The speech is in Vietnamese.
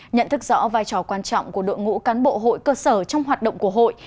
nhận thức rõ vai trò quan trọng của đội ngũ cán bộ hội cơ sở trong hoạt động của hội